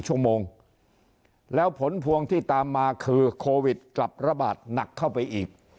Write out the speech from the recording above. ชั่วโมงแล้วผลพวงที่ตามมาคือโควิดกลับระบาดหนักเข้าไปอีก